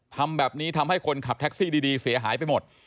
ทำแบบนี้ทำให้คนขับแท็กซี่ดีเสียหายไปหมด